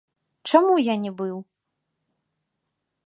Чаму я не быў?